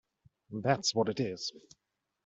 That’s what it is!